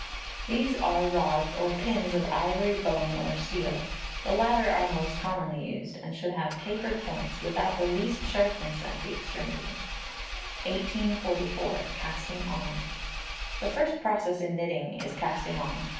These are rods or pins of ivory, bone, or steel. The latter are most commonly used, and should have tapered points, without the least sharpness at the extremity. 1844. Casting On. The first process in knitting is casting on.